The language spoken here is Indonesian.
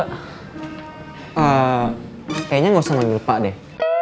kayaknya nggak usah ngambil pak deh